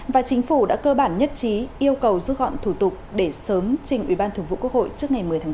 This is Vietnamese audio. và chính phủ đã cơ bản nhất trí yêu cầu rút gọn thủ tục để sớm trình ubthqh trước ngày một mươi tháng tám